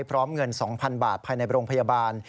พร้อมเงิน๒๐๐๐บาทภายในโรงพยาบาล